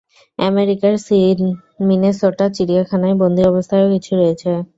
আমেরিকার মিনেসোটা চিড়িয়াখানায় বন্দি অবস্থায়ও কিছু রয়েছে।